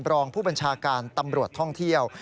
รองผู้บัญชาการตำรวจท่องเที่ยว